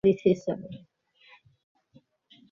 অল্পক্ষণের মধ্যে তাঁহার দেহ ভস্মে পরিণত হইল।